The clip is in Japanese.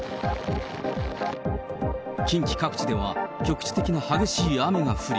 近畿各地では、局地的な激しい雨が降り。